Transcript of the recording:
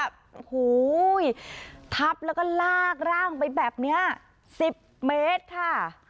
โอ้โหทับแล้วก็ลากร่างไปแบบนี้๑๐เมตรค่ะ